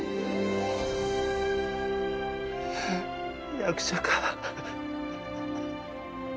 役者か。